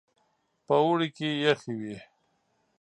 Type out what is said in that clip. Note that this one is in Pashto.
په اوړي کې يخې وې.